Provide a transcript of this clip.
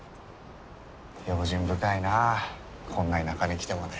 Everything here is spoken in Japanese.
用心深いなあこんな田舎に来てまで。